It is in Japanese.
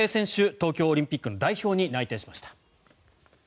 東京オリンピックの代表に内定しました。